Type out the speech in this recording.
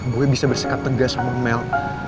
gue bisa bersikap tegas sama mel